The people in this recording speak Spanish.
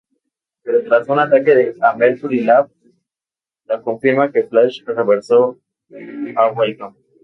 Pero tras un ataque a Mercury Labs, la confirma que Flash Reverso ha vuelto.